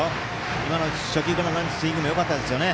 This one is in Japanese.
今の初球からのスイングよかったですね。